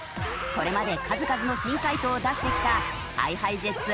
これまで数々の珍解答を出してきたＨｉＨｉＪｅｔｓ